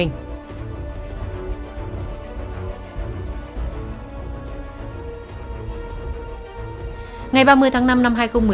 ngày ba mươi tháng năm năm hai nghìn một mươi chín